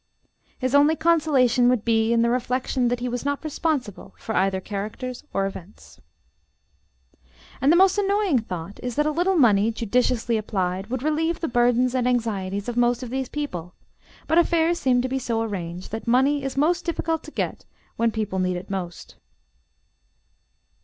His only consolation would be in the reflection that he was not responsible for either characters or events. And the most annoying thought is that a little money, judiciously applied, would relieve the burdens and anxieties of most of these people; but affairs seem to be so arranged that money is most difficult to get when people need it most.